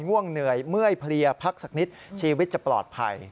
ง่วงเหนื่อยเมื่อยเพลียพักสักนิดชีวิตจะปลอดภัย